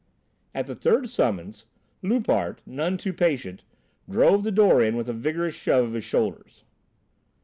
At the third summons, Loupart, none too patient, drove the door in with a vigorous shove of his shoulders.